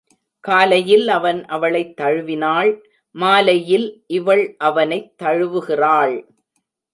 காலையில் அவன் அவளைத் தழுவினாள் மாலையில் இவள் அவனைத் தழுவுகிறாள்.